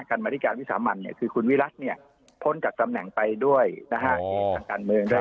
การบริการวิสามัญเนี่ยคือคุณวิรัติเนี่ยพ้นจากตำแหน่งไปด้วยนะฮะ